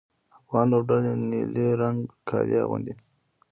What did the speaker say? افغان لوبډله نیلي رنګه کالي اغوندي.